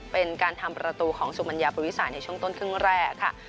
เป็นการทำประตูของสุมัญญาปริสัยในช่วงต้นครึ่งแรกค่ะ